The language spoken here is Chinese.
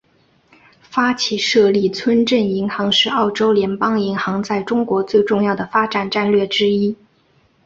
发起设立村镇银行是澳洲联邦银行在中国最重要的发展战略之一。